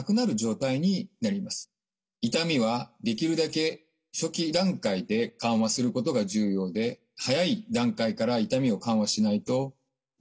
痛みはできるだけ初期段階で緩和することが重要で早い段階から痛みを緩和しないと痛みを記憶してしまう。